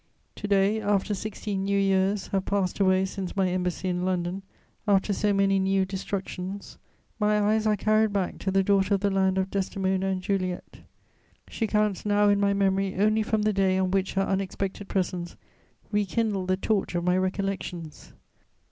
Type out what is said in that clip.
To day, after sixteen new years have passed away since my embassy in London, after so many new destructions, my eyes are carried back to the daughter of the land of Desdemona and Juliet: she counts now in my memory only from the day on which her unexpected presence rekindled the torch of my recollections.